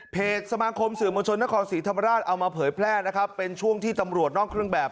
สมาคมสื่อมวลชนนครศรีธรรมราชเอามาเผยแพร่นะครับเป็นช่วงที่ตำรวจนอกเครื่องแบบ